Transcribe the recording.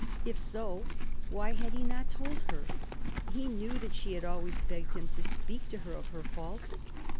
If so, why had he not told her? He knew that she had always begged him to speak to her of her faults.